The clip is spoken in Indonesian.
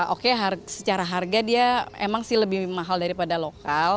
oke secara harga dia emang sih lebih mahal daripada lokal